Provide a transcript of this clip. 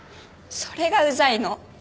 それがウザいの。